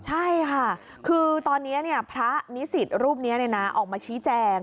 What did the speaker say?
ใช่ค่ะคือตอนนี้พระนิสิตรูปนี้ออกมาชี้แจง